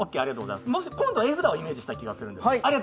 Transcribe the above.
今度は絵札をイメージした気がするんですけど。